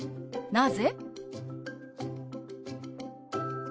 「なぜ？」。